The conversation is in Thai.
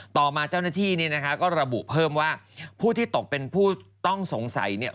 ต่อมาเจ้าหน้าที่ก็ระบุเพิ่มว่าผู้ที่ตกเป็นผู้ต้องสงสัย